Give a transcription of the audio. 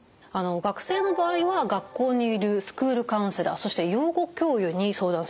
学生の場合は学校にいるスクールカウンセラーそして養護教諭に相談することができると。